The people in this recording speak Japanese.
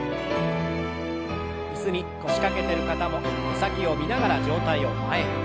椅子に腰掛けてる方も手先を見ながら上体を前に。